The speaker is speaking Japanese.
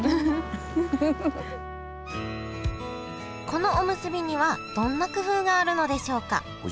このおむすびにはどんな工夫があるのでしょうか？